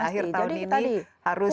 akhir tahun ini harus